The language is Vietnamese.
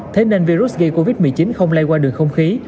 thế nên virus gây covid một mươi chín không lây qua đường không khí